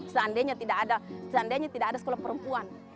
seandainya tidak ada sekolah perempuan